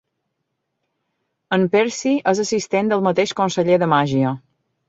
En Percy és assistent del mateix conseller de màgia.